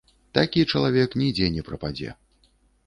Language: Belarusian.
Такі чалавек нідзе не прападзе.